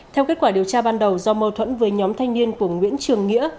theo kết quả điều tra ban đầu do mâu thuẫn với nhóm thanh niên của nguyễn trường nghĩa